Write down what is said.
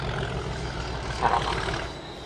さらば